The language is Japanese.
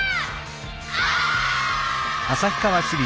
お！